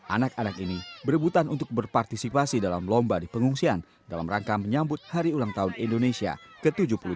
anak anak ini berebutan untuk berpartisipasi dalam lomba di pengungsian dalam rangka menyambut hari ulang tahun indonesia ke tujuh puluh tiga